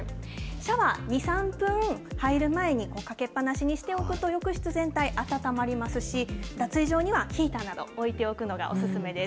シャワー、２、３分入る前にかけっぱなしにしておくと、浴室全体暖まりますし、脱衣所にはヒーターなど置いておくのがお勧めです。